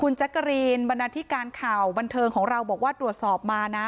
แจ๊กกะรีนบรรณาธิการข่าวบันเทิงของเราบอกว่าตรวจสอบมานะ